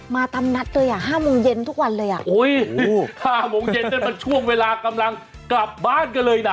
มาตำนัดเลย๕โมงเย็นทุกวันเลยโอ้ย๕โมงเย็นมันช่วงเวลากำลังกลับบ้านกันเลยนะ